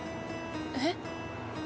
えっ？